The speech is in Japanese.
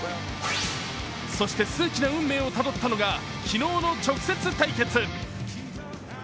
そして数奇な運命をたどったのが昨日の直接対決。